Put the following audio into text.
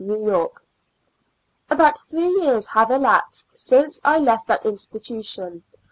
Y. About three years have elapsed since I left that institution.